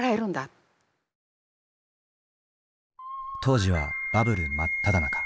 当時はバブル真っただ中。